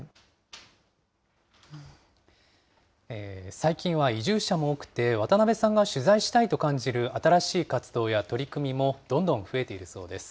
最近は移住者も多くて、渡辺さんが取材したいと感じる新しい活動や取り組みもどんどん増えているそうです。